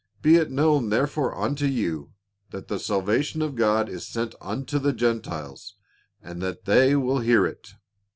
Be it known therefore unto you, that the salvation of God is sent unto the Gentiles, and that they will hear it."